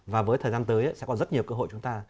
và với thời gian tới sẽ có rất nhiều cơ hội chúng ta